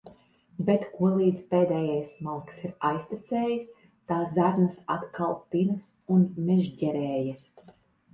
Bet kolīdz pēdējais malks ir aiztecējis, tā zarnas atkal tinas un mežģerējas.